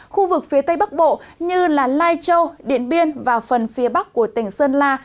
khu vực phía tây bắc bộ như lai châu điện biên và phần phía bắc của tỉnh sơn la